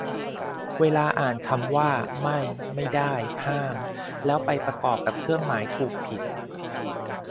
เวลาอ่านคำว่า "ไม่" "ไม่ได้" "ห้าม" แล้วไปประกอบกับเครื่องหมาย ถูก ผิด